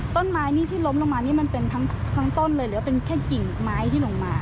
ต้นไม้นี่ที่ล้มลงมานี่มันเป็นทั้งต้นเลยเหลือเป็นแค่กิ่งไม้ที่ลงมา